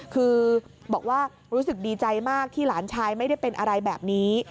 คือบอกว่ารู้สึกดีใจมากที่หลานชายไม่ได้เป็นอะไรแบบนี้